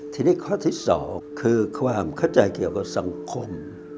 ทีนี้ข้อที่๒คือความเข้าใจเกี่ยวกับสังคม